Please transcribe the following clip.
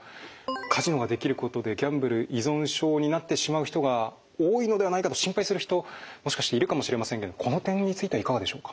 カジノができることでギャンブル依存症になってしまう人が多いのではないかと心配する人もしかしているかもしれませんけどこの点についてはいかがでしょうか。